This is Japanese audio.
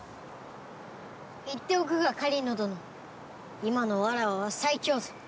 言っておくが狩野どの今のわらわは最強ぞ。